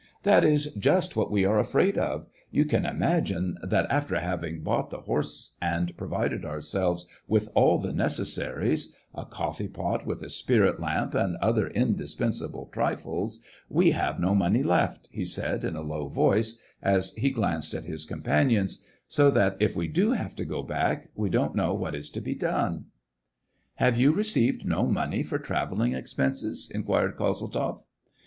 That is just what we are afraid of. You can imagine that, after having thought the horse, and provided ourselves with all the necessaries, — a coffee pot with a spirit lamp, and other indispen sable trifles, — we have no money left," he said, in a low voice, as he glanced at his companions ;" so that, if we do have to go back, we don't know what is to be done." " Have you received no money for travelling expenses t " inquired Kozeltzoff.